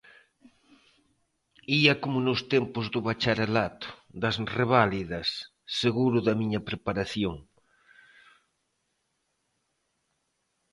Ía como nos tempos do bacharelato, das reválidas, seguro da miña preparación.